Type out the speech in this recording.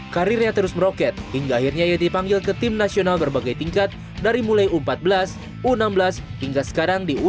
karirnya terus meroket hingga akhirnya ia dipanggil ke tim nasional berbagai tingkat dari mulai u empat belas u enam belas hingga sekarang di u enam belas